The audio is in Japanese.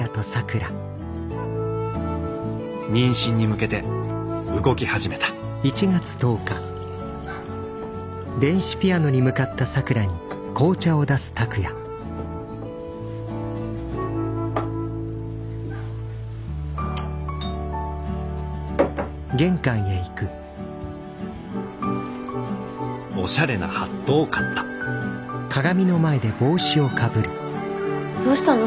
妊娠に向けて動き始めた・おしゃれなハットを買ったどうしたの？